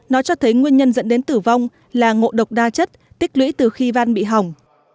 nó cho thấy nguyên nhân dẫn đến tử vong là ngộ độc đa chất tích lũy từ khi van bị hỏng